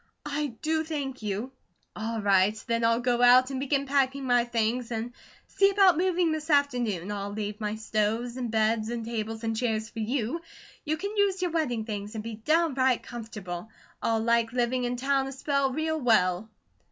I do thank you." "All right, then, I'll go out and begin packing my things, and see about moving this afternoon. I'll leave my stoves, and beds, and tables, and chairs for you; you can use your wedding things, and be downright comfortable. I'll like living in town a spell real well."